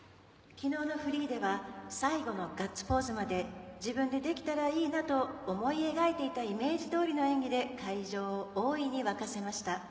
昨日のフリーでは最後のガッツポーズまで自分でできたらいいなと思い描いていたイメージどおりの演技で会場を大いに沸かせました。